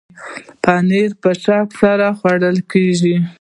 پنېر په شوق سره خوړل کېږي.